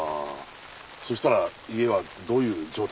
そしたら家はどういう状態だったの？